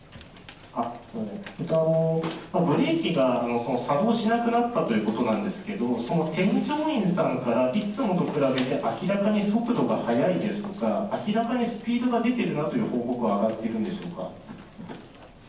ブレーキが作動しなくなったということなんですけど、その添乗員さんから、いつもと比べて、明らかに速度が速いですとか、明らかにスピードが出てるなという報告は上がっているんでしょうか？